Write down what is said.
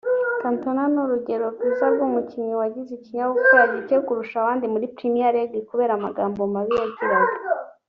Cantona ni urugero rwiza rw’umukinnyi wagize ikinyabupfura gike kurusha abandi muri Premier League kubera amagambo mabi yagiraga